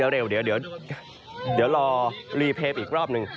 เดี๋ยวผมรีเฟลงอีกรอบหนึ่ง